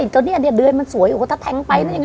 ตัวนี้อันนี้เดือยมันสวยถ้าแท้งไป